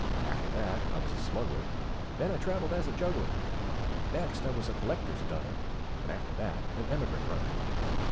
After that I was a smuggler, Then I travelled as a juggler. Next I was a collector's dunner, And after that an emigrant runner.